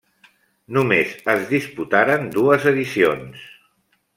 Només es disputaren dues edicions.